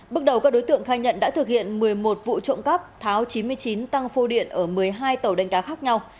bước đầu các đối tượng khai nhận đã thực hiện một mươi một vụ trộm cắp tháo chín mươi chín tăng phô điện ở một mươi hai tàu đánh cá khác nhau